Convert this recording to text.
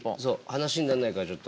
話になんないからちょっと。